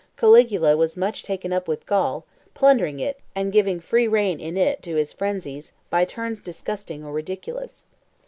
Caligula was much taken up with Gaul, plundering it and giving free rein in it to his frenzies, by turns disgusting or ridiculous.